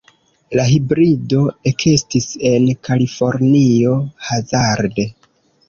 La hibrido ekestis en Kalifornio hazarde.